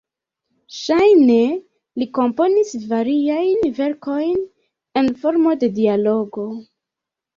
Ŝajne li komponis variajn verkojn en formo de dialogo.